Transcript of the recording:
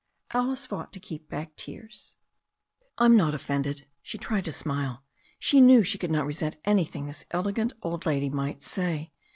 Alice fought to keep back tears. "I'm not offended." She tried to smile. She knew she could not resent anything this elegant old lady might say.